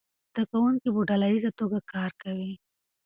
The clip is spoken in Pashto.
زده کوونکي په ډله ییزه توګه کار کوي.